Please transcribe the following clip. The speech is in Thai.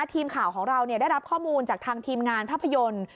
ทีมข่าวของเราได้รับข้อมูลจากทางทีมงานภาพยนตร์